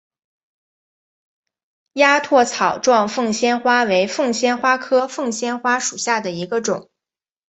鸭跖草状凤仙花为凤仙花科凤仙花属下的一个种。